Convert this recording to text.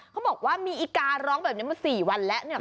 เขาบอกว่ามีอีการ้องแบบนี้มา๔วันแล้วเนี่ย